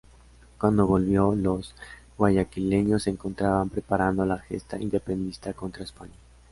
Cuando volvió, los guayaquileños se encontraban preparando la gesta independentista contra España.